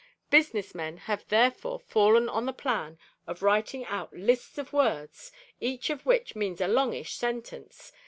Business men have therefore fallen on the plan of writing out lists of words, each of which means a longish sentence.